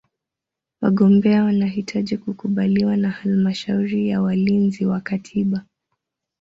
Wagombea wanahitaji kukubaliwa na Halmashauri ya Walinzi wa Katiba.